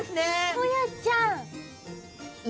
ホヤちゃん。